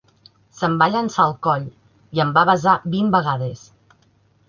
Se'm va llançar al coll i em va besar vint vegades.